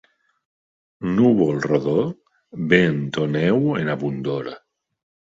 Núvol rodó, vent o neu en abundor.